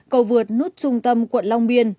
cầu vượt nút trung tâm quận long biên